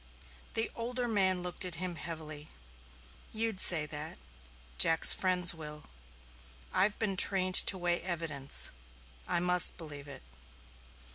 The older man looked at him heavily. "You'd say that. Jack's friends will. I've been trained to weigh evidence I must believe it."